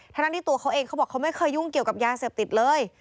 ทั้งที่ตัวเขาเองเขาบอกเขาไม่เคยยุ่งเกี่ยวกับยาเสพติดเลย